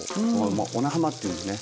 小名浜っていうんですね。